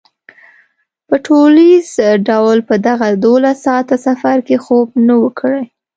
په ټولیز ډول په دغه دولس ساعته سفر کې خوب نه و کړی.